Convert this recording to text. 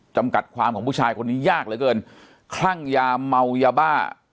จำกัดความของผู้ชายคนนี้ยากเหลือเกินคลั่งยาเมายาบ้า